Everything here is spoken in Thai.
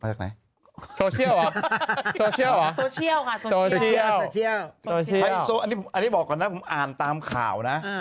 ไฮโซอันนี้บอกก่อนนะครับผมอ่านตามข่าวนะ